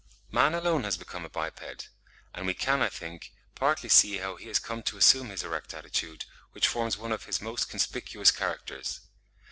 Man alone has become a biped; and we can, I think, partly see how he has come to assume his erect attitude, which forms one of his most conspicuous characters.